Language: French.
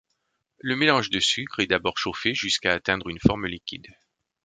Le mélange de sucres est d'abord chauffé jusqu'à atteindre une forme liquide.